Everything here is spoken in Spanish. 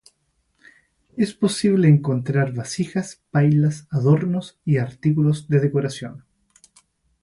Es posible encontrar vasijas, pailas, adornos y artículos de decoración.